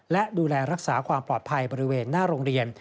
และดูแลรักษาความปลอดภัยบริเวณหน้าโรงเรียน